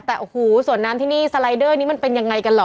แต่โอ้โหสวนน้ำที่นี่สไลเดอร์นี้มันเป็นยังไงกันเหรอ